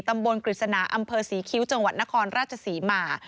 กฤษณาอำเภอศรีคิ้วจังหวัดนครราชศรีมา